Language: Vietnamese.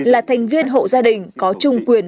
là thành viên hộ gia đình có chung quyền